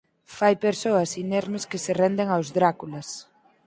fai persoas inermes que se renden aos "dráculas".